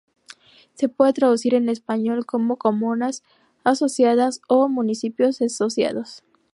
Se puede traducir en español como ""comunas asociadas"" o ""municipios asociados"".